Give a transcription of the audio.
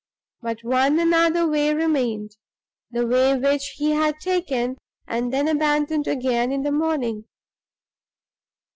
But one other way remained: the way which he had taken, and then abandoned again, in the morning.